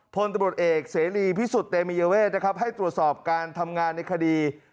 พลตำรวจเอกเสรีพิสุทธิ์เตมียเวทนะครับให้ตรวจสอบการทำงานในคดี